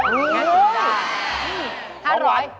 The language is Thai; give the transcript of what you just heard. มีอยู่